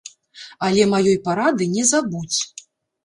Але маёй парады не забудзь.